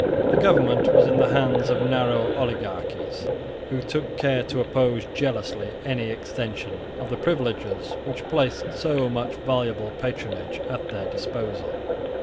The government was in the hands of narrow oligarchies, who took good care to oppose jealously any extension of the privileges which placed so much valuable patronage at their disposal.